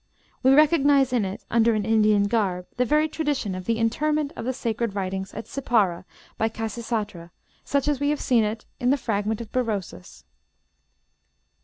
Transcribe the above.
We recognize in it, under an Indian garb, the very tradition of the interment of the sacred writings at Sippara by Khasisatra, such as we have seen it in the fragment of Berosus."